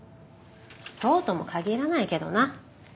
そうとも限らないけどな。